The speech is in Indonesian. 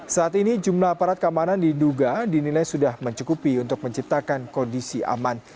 saat ini jumlah aparat keamanan diduga dinilai sudah mencukupi untuk menciptakan kondisi aman